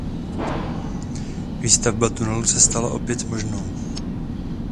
Výstavba tunelu se stala opět možnou.